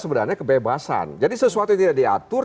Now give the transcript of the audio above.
sebenarnya kebebasan jadi sesuatu yang tidak diatur